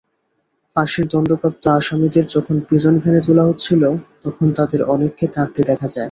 ফাঁসির দণ্ডপ্রাপ্ত আসামিদের যখন প্রিজনভ্যানে তোলা হচ্ছিল, তখন তাঁদের অনেককে কাঁদতে দেখা যায়।